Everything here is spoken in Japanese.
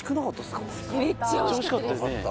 めっちゃおいしかったです